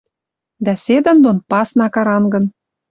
Дӓ седӹндон пасна карангын —